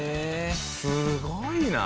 すごいな。